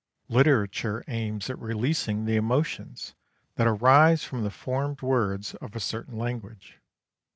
Literature aims at releasing the emotions that arise from the formed words of a certain language.